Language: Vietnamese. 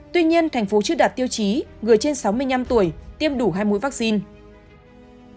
tuy nhiên thành phố chưa đạt tiêu chí người trên sáu mươi năm tuổi tiêm đủ hai mũi vaccine